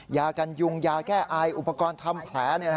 ยากันยุงยาแก้ไออุปกรณ์ทำแผล